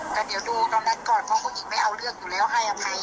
แต่เดี๋ยวดูตอนนั้นก่อนเพราะผู้หญิงไม่เอาเรื่องอยู่แล้วให้อภัย